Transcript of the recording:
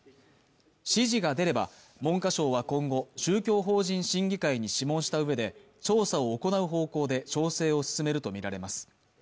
指示が出れば、文科省は今後、宗教法人審議会に諮問したうえで調査を行う方向で調整を進めるとみられます。